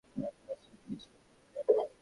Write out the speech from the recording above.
ড্রাক message দিয়েছে।